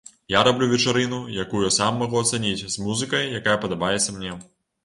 Я раблю вечарыну, якую сам магу ацаніць, з музыкай, якая падабаецца мне.